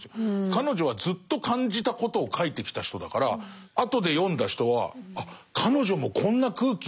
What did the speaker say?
彼女はずっと感じたことを書いてきた人だから後で読んだ人はあっ彼女もこんな空気になるんだ